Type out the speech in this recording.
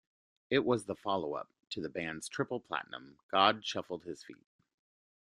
It was the follow-up to the band's triple-platinum "God Shuffled His Feet".